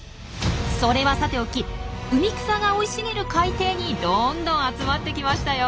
それはさておき海草が生い茂る海底にどんどん集まってきましたよ。